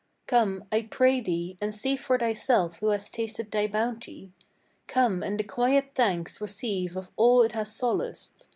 Come, I pray thee, and see for thyself who has tasted thy bounty; Come, and the quiet thanks receive of all it has solaced.